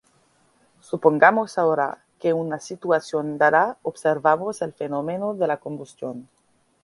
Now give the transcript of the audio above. Supongamos ahora que en una situación dada observamos el fenómeno de la combustión.